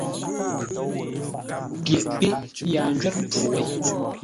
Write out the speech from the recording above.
Pyeʼ pé yaa ńjwə́r mpfu wêi.